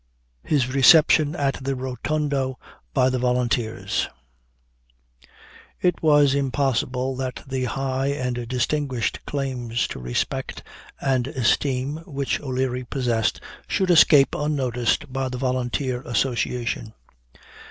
HIS RECEPTION AT THE ROTUNDO BY THE VOLUNTEERS. "It was impossible that the high and distinguished claims to respect and esteem which O'Leary possessed, should escape unnoticed by the Volunteer association.